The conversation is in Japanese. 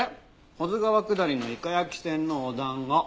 保津川下りのイカ焼き船のお団子。